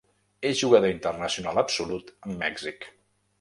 És jugador internacional absolut amb Mèxic.